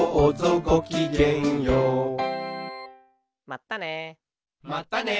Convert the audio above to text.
まったね。